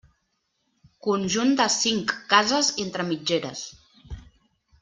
Conjunt de cinc cases entre mitgeres.